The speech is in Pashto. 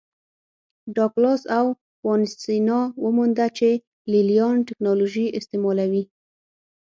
ډاګلاس او وانسینا ومونده چې لې لیان ټکنالوژي استعملوي